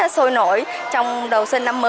sôi nổi trong đầu xuân năm mới